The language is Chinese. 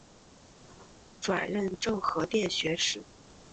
转任政和殿学士。